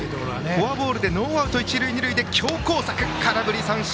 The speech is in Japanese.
フォアボールノーアウト、一塁二塁で強攻策空振り三振